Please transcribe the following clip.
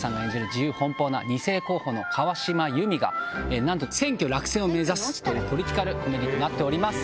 自由奔放な２世候補の川島有美がなんと選挙落選を目指すというポリティカルコメディーとなっております。